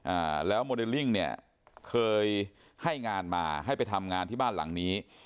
อ่าแล้วโมเดลลิ่งเนี่ยเคยให้งานมาให้ไปทำงานที่บ้านหลังนี้